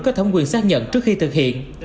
có thẩm quyền xác nhận trước khi thực hiện